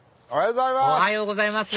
おはようございます。